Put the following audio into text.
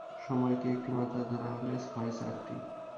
সময়কে একটি মাত্রা ধরা হলে, হয় চারটি।